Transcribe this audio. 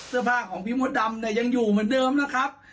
เสื้อผ้าของพี่มดดำเนี่ยยังอยู่เหมือนเดิมนะครับ